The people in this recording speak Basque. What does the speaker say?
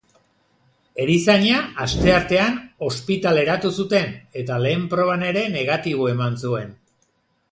Erizaina asteartean ospitaleratu zuten eta lehen proban ere negatibo eman zuen.